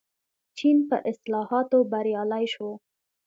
چین په اصلاحاتو بریالی شو.